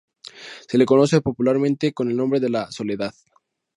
Se le conoce popularmente con el nombre de La Soledad.